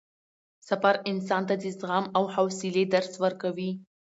سفر انسان ته د زغم او حوصلې درس ورکوي